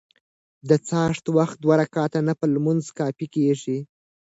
د څاښت وخت دوه رکعته نفل لمونځ کافي کيږي .